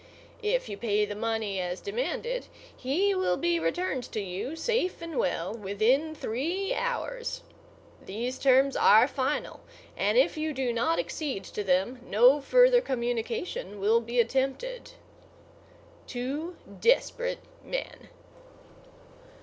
If you pay the money as demanded, he will be returned to you safe and well within three hours. These terms are final, and if you do not accede to them no further communication will be attempted. TWO DESPERATE MEN.